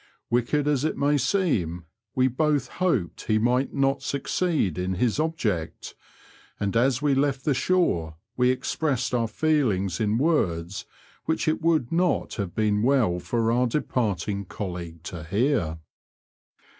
Wicked as it may seem, we both hoped he might not succeed in his object, and as we left the shore we expressed our feelings in words which it would not have been well for our departing colleague to hear.